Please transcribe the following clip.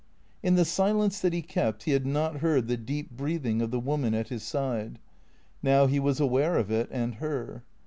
In the silence that he kept he had not heard the deep breath ing of the woman at his side. Now he was aware of it and her.